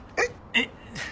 「えっ？」